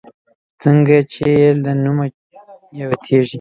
څنگه چې يې له نومه جوتېږي